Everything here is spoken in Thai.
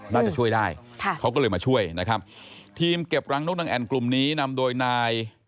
น่าจะช่วยได้ค่ะเขาก็เลยมาช่วยนะครับทีมเก็บรังนกนางแอ่นกลุ่มนี้นำโดยนาย